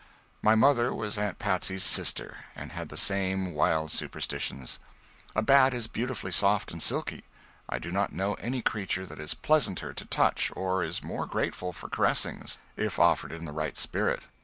My mother was Aunt Patsy's sister, and had the same wild superstitions. A bat is beautifully soft and silky: I do not know any creature that is pleasanter to the touch, or is more grateful for caressings, if offered in the right spirit.